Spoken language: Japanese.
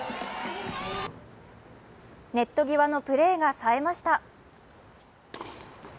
ネット際のプレーがさえました。